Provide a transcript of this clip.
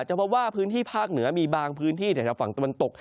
พบว่าพื้นที่ภาคเหนือมีบางพื้นที่แถวฝั่งตะวันตก